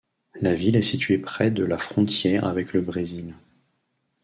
La ville est située près de la frontière avec le Brésil.